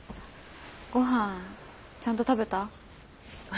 ごはんちゃんと食べた？